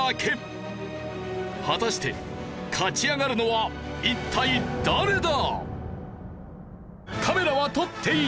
果たして勝ち上がるのは一体誰だ？